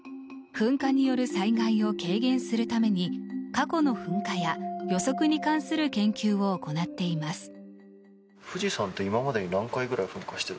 噴火による災害を軽減するために過去の噴火や、予測に関する研究を行っています。